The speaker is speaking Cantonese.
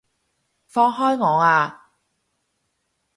放開我啊！